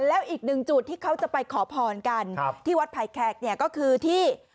แล้วอีกหนึ่งจุดที่เขาจะไปขอพรกันที่วัดไผ่แขกเนี่ยก็คือที่